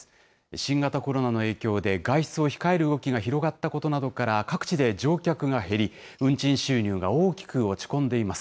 新型コロナの影響で外出を控える動きが広がったことなどから、各地で乗客が減り、運賃収入が大きく落ち込んでいます。